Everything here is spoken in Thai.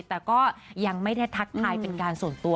แต่ก็ยังไม่ได้ทักทายเป็นการส่วนตัว